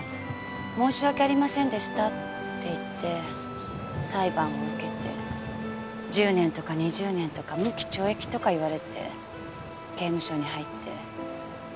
申し訳ありませんでした」って言って裁判を受けて１０年とか２０年とか無期懲役とか言われて刑務所に入って。